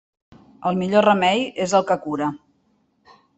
El millor remei és el que cura.